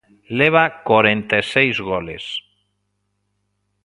Leva corenta e seis goles.